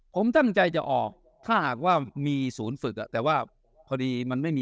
ผมตั้งใจจะออกถ้าหากว่ามีศูนย์ฝึกแต่ว่าพอดีมันไม่มี